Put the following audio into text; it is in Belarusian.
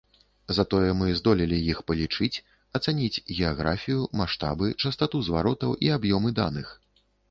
Затое мы здолелі іх палічыць, ацаніць геаграфію, маштабы, частату зваротаў і аб'ёмы даных.